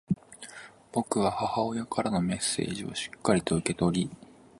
僕は母親からのメッセージをしっかりと受け取り、